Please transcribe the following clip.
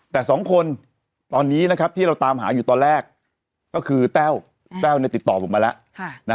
แต่สองคนตอนนี้นะครับที่เราตามหาอยู่ตอนแรกก็คือแต้วแต้วติดต่อผมมาแล้ว